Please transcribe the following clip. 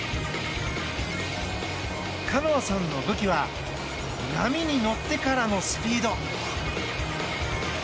カノアさんの武器は波に乗ってからのスピード。